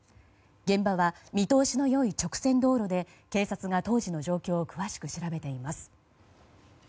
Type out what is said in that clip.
現場は見通しの良い直線道路で警察が当時の状況を詳しく調べています。